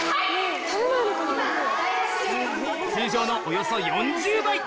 通常のおよそ４０倍！